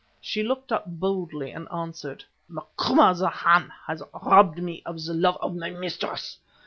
She looked up boldly and answered— "Macumazahn has robbed me of the love of my mistress.